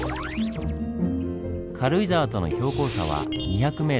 軽井沢との標高差は２００ｍ。